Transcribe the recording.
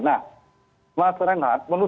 nah mas renhat menurut